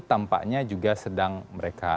tampaknya juga sedang mereka